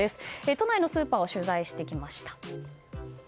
都内のスーパーを取材してきました。